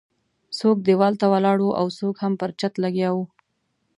څوک ديوال ته ولاړ وو او څوک هم پر چت لګیا وو.